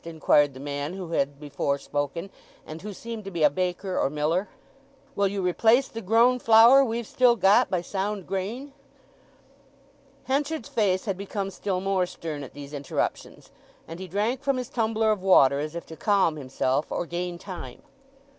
inquired the man who had before spoken, and who seemed to be a baker or miller. "Will you replace the grown flour we've still got by sound grain?" Henchard's face had become still more stern at these interruptions, and he drank from his tumbler of water as if to calm himself or gain time.